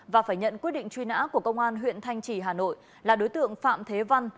và phải nhận quyết định truy nã của công an tp hà nội là đối tượng phạm thế văn